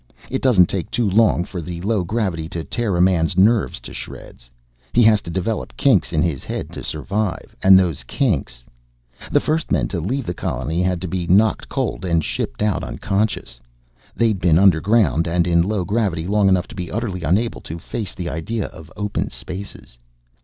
It doesn't take too long for the low gravity to tear a man's nerves to shreds. He has to develop kinks in his head to survive. And those kinks The first men to leave the colony had to be knocked cold and shipped out unconscious. They'd been underground and in low gravity long enough to be utterly unable to face the idea of open spaces.